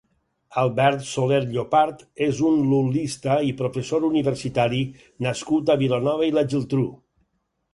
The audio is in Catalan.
Albert Soler Llopart és un lul·lista i professor universitari nascut a Vilanova i la Geltrú.